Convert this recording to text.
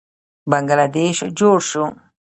بنګله دیش جوړ شو.